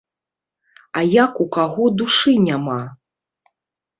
А як у каго душы няма?